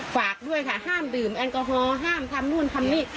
ฝากด้วยค่ะห้ามดื่มแอลกอฮอล์ห้ามทำนู่นทำนี่